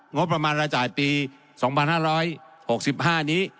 งบประมาณรายจ่ายปี๒๕๖๕นี้